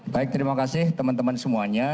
baik terima kasih teman teman semuanya